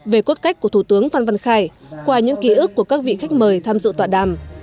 về cốt cách của thủ tướng phan văn khải qua những ký ức của các vị khách mời tham dự tọa đàm